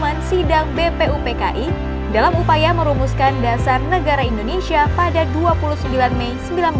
pancasila adalah satu dari dua pilihan yang terakhir dalam sidang bpupki dalam upaya merumuskan dasar negara indonesia pada dua puluh sembilan mei seribu sembilan ratus empat puluh lima